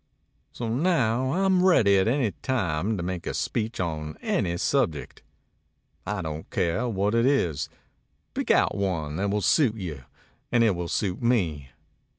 So now I'm ready at any time to make a speech on any subject. I don't care what it is. Pick out one that will suit you and it will suit me."